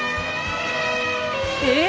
え！